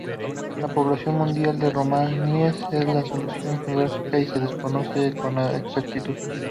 La población mundial de romaníes y su localización geográfica se desconoce con exactitud.